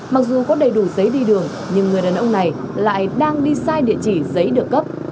mặc dù có đầy đủ giấy đi đường nhưng người đàn ông này lại đang đi sai địa chỉ giấy được cấp